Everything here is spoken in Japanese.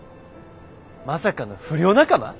まさかの不良仲間？